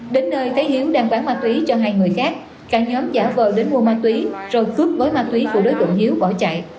đến nơi thấy hiếu đang bán ma túy cho hai người khác cả nhóm giả vờ đến mua ma túy rồi cướp gói ma túy của đối tượng hiếu bỏ chạy